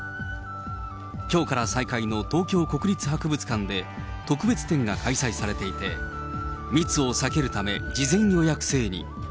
きょうから再開の東京国立博物館で、特別展が開催されていて、密を避けるため、事前予約制に。